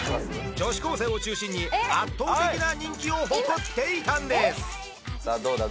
女子高生を中心に圧倒的な人気を誇っていたんです！